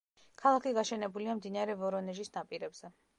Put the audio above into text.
ქალაქი გაშენებულია მდინარე ვორონეჟის ნაპირებზე.